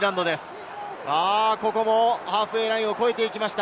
ハーフウェイラインを越えていきました。